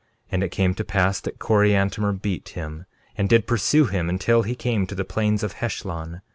And it came to pass that Coriantumr beat him, and did pursue him until he came to the plains of Heshlon.